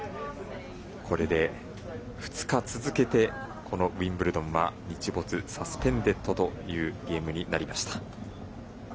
これで２日続けてこのウィンブルドンは日没サスペンデッドというゲームになりました。